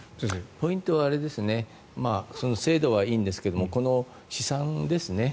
ポイントは制度はいいんですけどこの試算ですね。